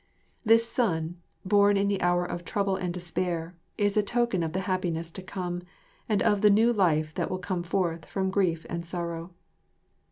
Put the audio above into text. This son, born in the hour of trouble and despair, is a token of the happiness to come, of the new life that will come forth from grief and sorrow.